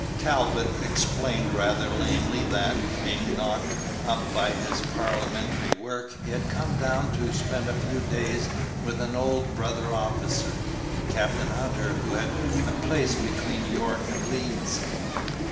Talbot explained rather lamely that, being knocked up by his Parliamentary work, he had come down to spend a few days with an old brother officer, Captain Hunter, who had a place between York and Leeds.